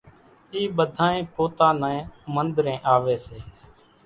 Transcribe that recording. اِي ٻڌانئين پوتا نين منۮرين آوي سي